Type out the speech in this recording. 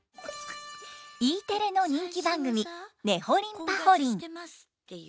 Ｅテレの人気番組「ねほりんぱほりん」。